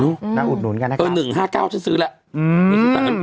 อืมมาอุดหนุนกันให้กลับเออหนึ่งห้าเก้าจะซื้อละอืม